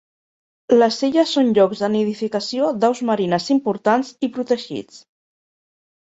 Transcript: Les illes són llocs de nidificació d'aus marines importants i protegits.